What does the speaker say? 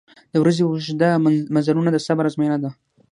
• د ورځې اوږده مزلونه د صبر آزموینه ده.